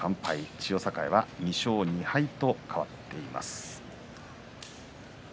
千代栄は２勝２敗と変わっています。